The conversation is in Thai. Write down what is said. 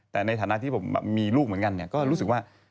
แต่ในฐานะที่ผมมีลูกเหมือนกันก็รู้สึกว่า